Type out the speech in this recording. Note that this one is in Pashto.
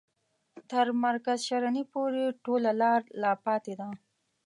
تر مرکز شرنې پوري ټوله لار لا پاته ده.